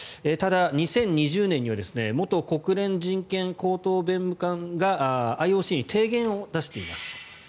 ただ、２０２０年には元国連人権高等弁務官がＩＯＣに提言を出しています。